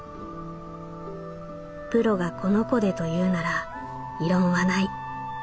「プロがこの子でと言うなら異論はない。